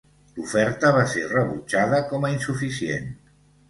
L'oferta va ser rebutjada com a insuficient.